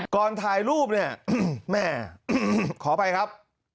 ก่อนถ่ายรูปเนี่ยแม่ขออภัยครับ